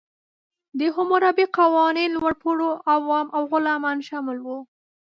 د حموربي قوانین لوړپوړو، عوام او غلامان شامل وو.